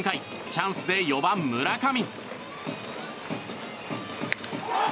チャンスで４番、村上。